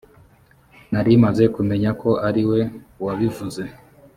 nari maze kumenya ko ariwe wabivuze